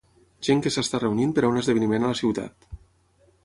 Gent que s'està reunint per a un esdeveniment a la ciutat.